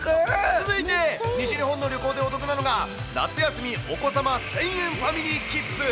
続いて西日本の旅行でお得なのが、夏休みお子様１０００円ファミリーきっぷ。